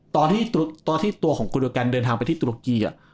ตอนที่ตัวของกุณการณ์เดินทางไปที่ตุรกีอะ